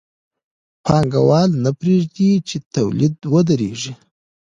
پانګوال نه پرېږدي چې تولید ودرېږي